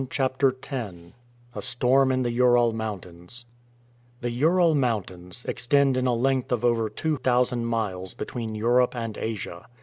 CHAPTER X A STORM IN THE URAL MOUNTAINS THE Ural Mountains extend in a length of over two thousand miles between Europe and Asia.